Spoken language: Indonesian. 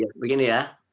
ya begini ya